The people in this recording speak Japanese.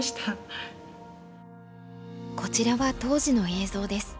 こちらは当時の映像です。